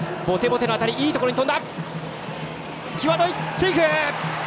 セーフ！